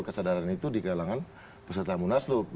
kesadaran itu di kalangan peserta munaslup